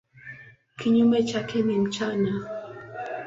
Kinyume chake ni mchana.